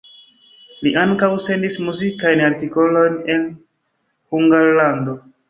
Li ankaŭ sendis muzikajn artikolojn al Hungarlando.